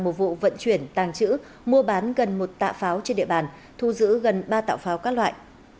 một vụ vận chuyển tàng trữ mua bán gần một tạ pháo trên địa bàn thu giữ gần ba tạo pháo các loại